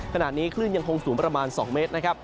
ขณะนี้คลื่นยังคงสูงประมาณ๒เมตรนะครับ